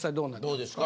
どうですか？